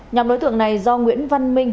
nhằm đối tượng này do nguyễn văn minh